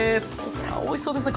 あおいしそうですね。